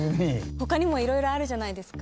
他にもいろいろあるじゃないですか。